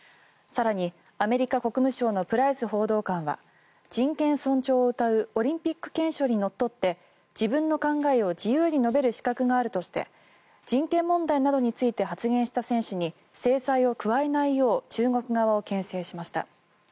更に、アメリカ国務省のプライス報道官は人権尊重をうたうオリンピック憲章にのっとって自分の考えを自由に述べる資格があるとして人権問題などについて発言した選手に制裁を加えないよう中国側をけん制しました。